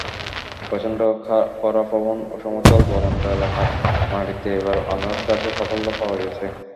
প্রচণ্ড খরাপ্রবণ অসমতল বরেন্দ্র এলাকার মাটিতে এবার আনারস চাষে সাফল্য পাওয়া গেছে।